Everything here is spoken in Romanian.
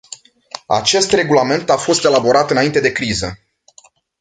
Acest regulament a fost elaborat înainte de criză.